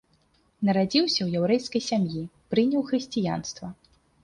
Нарадзіўся ў яўрэйскай сям'і, прыняў хрысціянства.